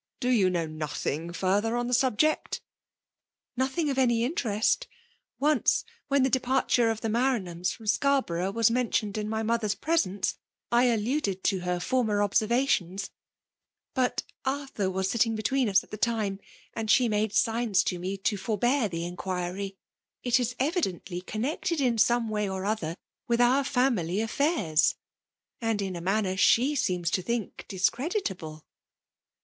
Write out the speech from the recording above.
Do you know nothing further on the subject ?*'" Nothing of any interest Once, wheil the departure of the Maranhams from Scarborovglr was mentioned in my mother^s presence, I VEMALB DOMOtATIOV. 181 aUufkd to her former obtervatiomL. Bat Arthur was sitting between us at the tiae; and she made signs to me to forbear the in quicy* It is evidently connected in. some way. or other with our family affairs, and in u manner she seems fo think discreditable